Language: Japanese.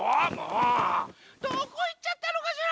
どこいっちゃったのかしら？